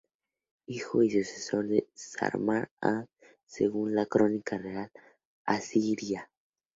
Hijo y sucesor de Šarma-Adad I, según la "Crónica real" asiria.